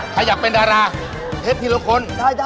ใครอยากเป็นดาราเพชรทีละคน